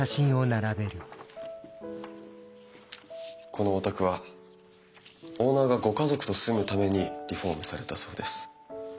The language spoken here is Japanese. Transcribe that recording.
このお宅はオーナーがご家族と住むためにリフォームされたそうです。